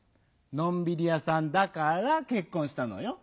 「のんびりやさんだからけっこんした」のよ。